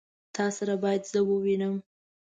تا سره بايد زه ووينم.